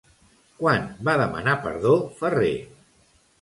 Quan va demanar perdó Ferrer?